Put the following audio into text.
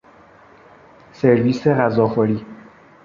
سرویس غذاخوری